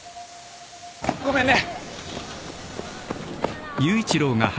ごめんね。